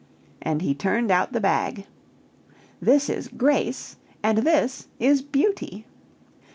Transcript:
and he turned out the bag. "This is 'Grace,' and this is 'Beauty.'"